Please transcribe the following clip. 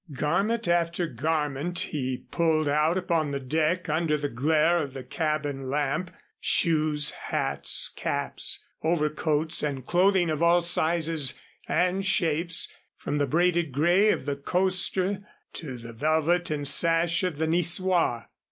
Garment after garment he pulled out upon the deck under the glare of the cabin lamp; shoes, hats and caps, overcoats and clothing of all sizes and shapes from the braided gray of the coster to the velvet and sash of the Niçois.